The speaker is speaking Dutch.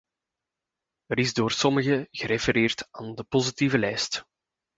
Er is door sommigen gerefereerd aan de positieve lijst.